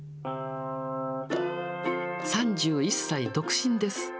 ３１歳独身です。